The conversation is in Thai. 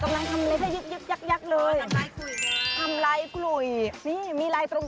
กำลังทำเลยแค่ยึกยักเลยทำลายกลุ่ยนี่มีลายตรง